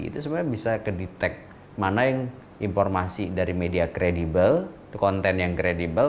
itu sebenarnya bisa ke detect mana yang informasi dari media kredibel konten yang kredibel